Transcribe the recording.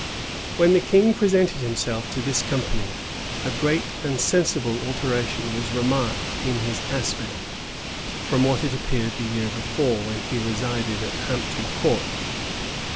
When the king presented himself to this company, a great and sensible alteration was remarked in his aspect, from what it appeared the year before, when he resided at Hampton Court.